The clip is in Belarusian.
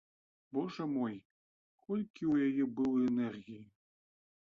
Божа мой, колькі ў яе было энергіі!